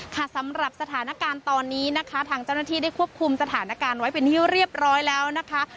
ค่ะสำหรับสถานการณ์ตอนนี้นะคะทางเจ้าหน้าที่ได้ควบคุมสถานการณ์ไว้เป็นที่เรียบร้อยแล้วนะคะ